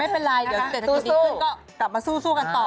ไม่เป็นไรเดี๋ยวเศรษฐกิจดีขึ้นก็กลับมาสู้กันต่อ